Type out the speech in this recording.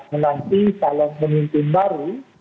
menanti kalau memimpin baru